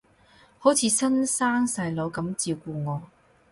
好似親生細佬噉照顧我